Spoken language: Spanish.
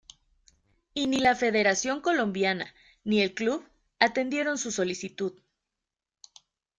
Y ni la Federación Colombiana, ni el club, atendieron su solicitud.